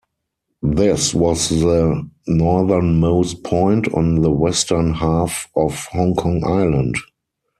This was the northernmost point on the western half of Hong Kong Island.